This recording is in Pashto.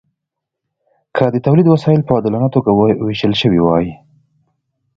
که د تولید وسایل په عادلانه توګه ویشل شوي وای.